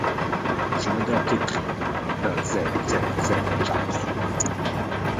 Chemin de la Pietrina, vingt, zéro zéro zéro Ajaccio